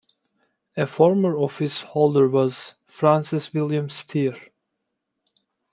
A former office holder was Francis William Steer.